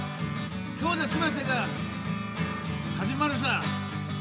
今日ですべてが始まるさ。